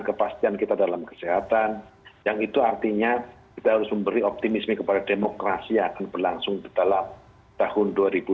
kepastian kita dalam kesehatan yang itu artinya kita harus memberi optimisme kepada demokrasi yang akan berlangsung di dalam tahun dua ribu dua puluh